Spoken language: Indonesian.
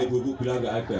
ibu ibu bilang nggak ada